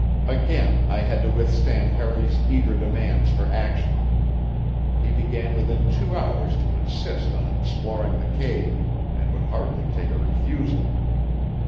Again I had to withstand Harry's eager demands for action. He began within two hours to insist on exploring the cave, and would hardly take a refusal.